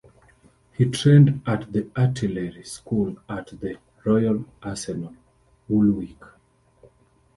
He trained at the artillery school at the Royal Arsenal, Woolwich.